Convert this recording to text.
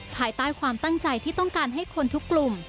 ภายใต้ความตั้งใจที่ต้องการให้คนทุกกลุ่ม